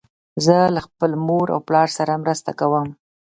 زه له خپل مور او پلار سره مرسته کوم.